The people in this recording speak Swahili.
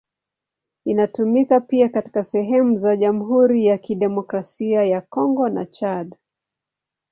Inatumika pia katika sehemu za Jamhuri ya Kidemokrasia ya Kongo na Chad.